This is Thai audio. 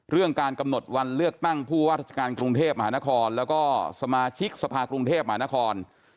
เรื่องการกำหนดวันเลือกตั้งผู้ว่าราชการกรุงเทพมหานครแล้วก็สมาชิกสภากรุงเทพมหานคร